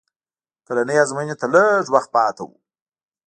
کلنۍ ازموینې ته لږ وخت پاتې و